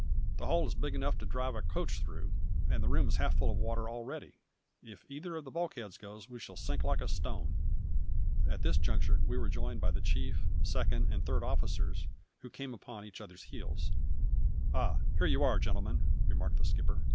The hole is big enough to drive a coach through, and the room is half full of water already. If either of the bulkheads goes we shall sink like a stone!" At this juncture we were joined by the chief, second, and third officers, who came upon each other's heels. "Ah! here you are, gentlemen," remarked the skipper.